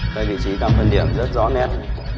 đây là vị trí tạm phân điểm rất rõ nét